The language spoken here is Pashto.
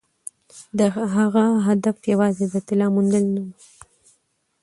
د هغه هدف یوازې د طلا موندل نه وو.